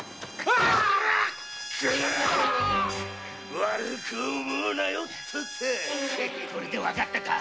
わかったか！？